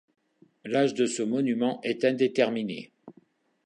L'âge de ce monument est indéterminé.